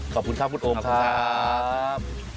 ขอบคุณครับคุณโอมครับ